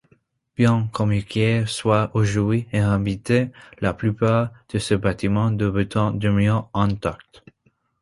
Bien qu'Inchmickery soit aujourd'hui inhabitée, la plupart de ses bâtiments de béton demeurent intacts.